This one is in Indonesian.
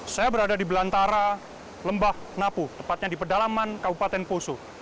saya berada di belantara lembah napu tepatnya di pedalaman kabupaten poso